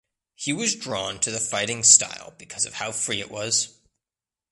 He was drawn to the fighting style because of how free it was.